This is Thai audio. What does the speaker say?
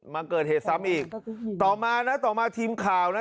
มาเกิดเหตุซ้ำอีกต่อมานะต่อมาทีมข่าวนะ